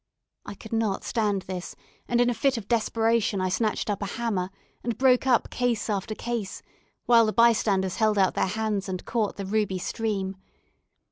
I could not stand this, and in a fit of desperation, I snatched up a hammer and broke up case after case, while the bystanders held out their hands and caught the ruby stream.